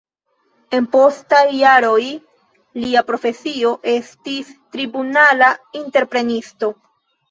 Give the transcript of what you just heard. En postaj jaroj lia profesio estis tribunala interpretisto.